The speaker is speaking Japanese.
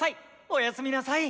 おやすみなさい！」。